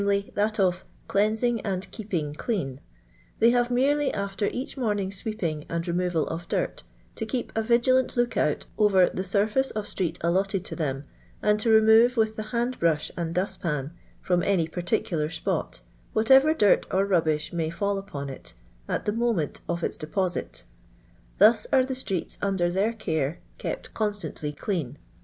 that of * Cleanting and keeping Clean,* thoy have merely, after each morning's sweeping and removal of dirt, to keep a vigilaut look out over the surface of street allotted to them ; and to remove with the hand brush and Uust pan, from any particular spot, whatever dirt or rubbish may fall upon it, cU the moment <^ its deposit. Thus are the streets under ' their care kept constantly clean.